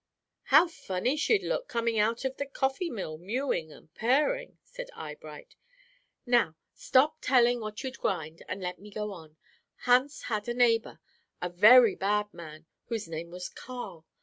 "How funny she'd look, coming out of the coffee mill, mewing and purring," said Eyebright. "Now stop telling what you'd grind, and let me go on. Hans had a neighbor, a very bad man, whose name was Carl.